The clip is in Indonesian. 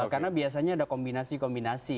karena biasanya ada kombinasi kombinasi